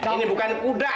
ini bukan kuda